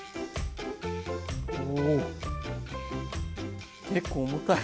おお結構重たい。